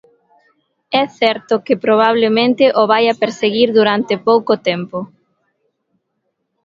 É certo que probablemente o vaia perseguir durante pouco tempo.